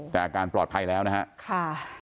แต่อาการปลอดภัยแล้วนะครับ